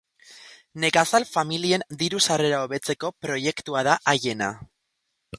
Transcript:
Nekazal familien diru sarrera hobetzeko proiektua da haiena.